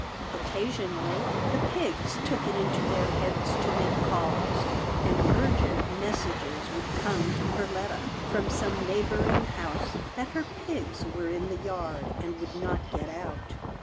Occasionally, the pigs took it into their heads to make calls, and urgent messages would come to Perletta from some neighbouring house, that her pigs were in the yard, and would not get out.